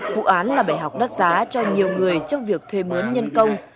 vụ án là bài học đắt giá cho nhiều người trong việc thuê mướn nhân công